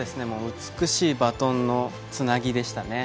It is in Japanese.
美しいバトンのつなぎでした。